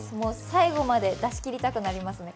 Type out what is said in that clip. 最後まで出しきりたくなりますね。